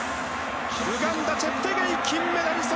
ウガンダ、チェプテゲイ金メダル。